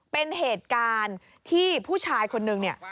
เป็นเหตุการณ์ที่ผู้ชายคนนึงเนี่ย